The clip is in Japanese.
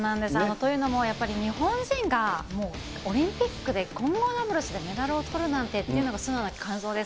というのも、やっぱり日本人が、もうオリンピックで混合ダブルスでメダルをとるなんていうのが、素直な感想です。